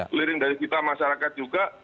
keliling dari kita masyarakat juga